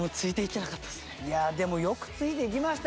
いやでもよくついていきましたよ